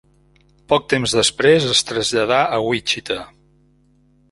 Poc temps després es traslladà a Wichita.